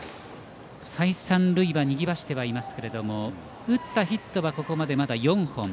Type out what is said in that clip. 再三、塁はにぎわしていますが打ったヒットはここまでまだ４本。